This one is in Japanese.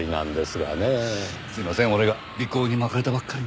すいません俺が尾行にまかれたばっかりに。